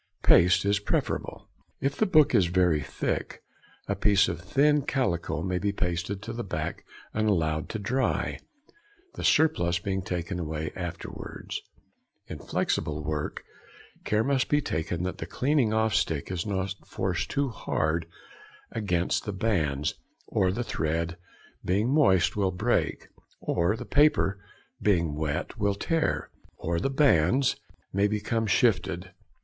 Paste is preferable. If the book is very thick a piece of thin calico may be pasted to the back and allowed to dry, the surplus being taken away afterwards. In flexible work care must be taken that the cleaning off stick is not forced too hard against the bands, or the thread being moist will break, or the paper being wet will tear, or the bands may become shifted.